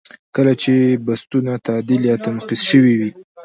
کله چې بستونه تعدیل یا تنقیض شوي وي.